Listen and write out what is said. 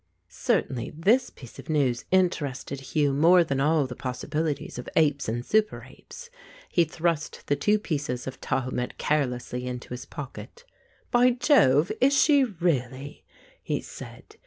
Certainly this piece of news interested Hugh more than all the possibilities of apes and super apes. He thrust the two pieces of Tahu met carelessly into his pocket. "By Jove, is she really?" he said.